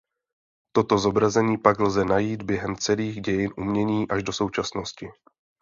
Toto zobrazení pak lze najít během celých dějin umění až do současnosti.